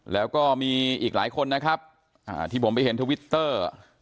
แล้วก็มีอีกหลายคนนะครับที่ผมไปเห็นทวิตเตอร์